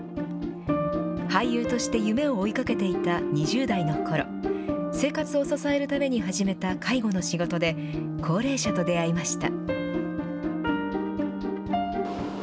俳優として夢を追いかけていた２０代のころ、生活を支えるために始めた介護の仕事で、高齢者と出会いました。